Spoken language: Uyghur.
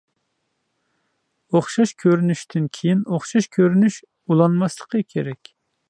ئوخشاش كۆرۈنۈشتىن كىيىن ئوخشاش كۆرۈنۈش ئۇلانماسلىقى كېرەك.